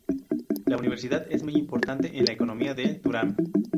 La universidad es muy importante en la economía de Durham.